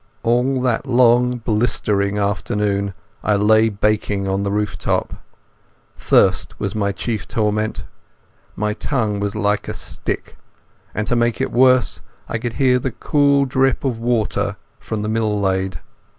All that long blistering afternoon I lay baking on the rooftop. Thirst was my chief torment. My tongue was like a stick, and to make it worse I could hear the cool drip of water from the mill lade.